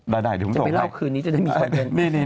ได้เดี๋ยวผมส่งให้จะไปเล่าคืนนี้จะได้มีคำเท็จ